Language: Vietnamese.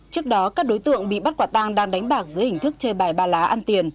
trước đó các đối tượng bị bắt quả tang đang đánh bạc dưới hình thức chơi bài ba lá ăn tiền